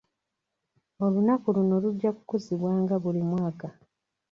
Olunaku luno lujja kukuzibwanga buli mwaka.